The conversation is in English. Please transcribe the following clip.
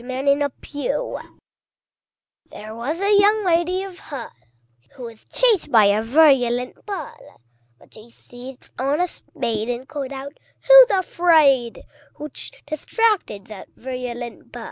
There was a Young Lady of Hull, Who was chased by a virulent Bull; But she seized on a spade, and called out, "Who's afraid?" Which distracted that virulent Bull.